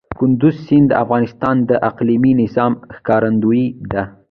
کندز سیند د افغانستان د اقلیمي نظام ښکارندوی ده.